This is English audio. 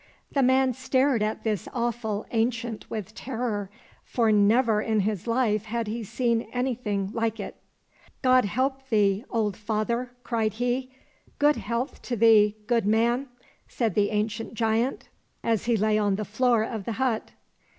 The man stared at this awful Ancient with terror, for never in his life had he seen anything like it. " God help thee, old father !" cried he. —" Good health to thee, good man !" said the ancient giant, as he lay on the floor of the hut.